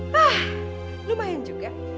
wah lumayan juga